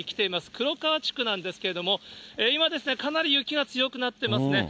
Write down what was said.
くろかわ地区なんですけども、今ですね、かなり雪が強くなっていますね。